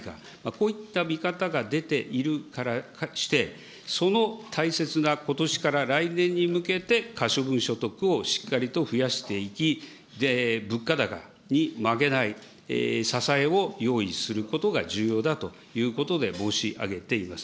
こういった見方が出ているからして、その大切なことしから来年に向けて可処分所得をしっかりと増やしていき、物価高に負けない支えを用意することが重要だということで申し上げています。